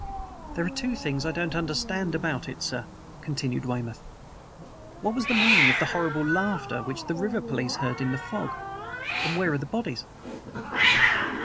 "There are two things I don't understand about it, sir," continued Weymouth. "What was the meaning of the horrible laughter which the river police heard in the fog? And where are the bodies?"